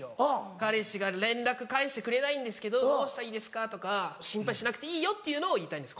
「彼氏が連絡返してくれないんですけどどうしたらいいですか？」とか心配しなくていいっていうのを言いたいんです